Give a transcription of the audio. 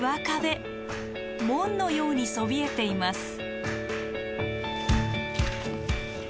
門のようにそびえています。